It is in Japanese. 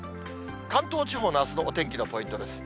関東地方のあすのお天気のポイントです。